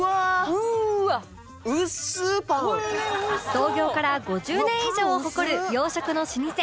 創業から５０年以上を誇る洋食の老舗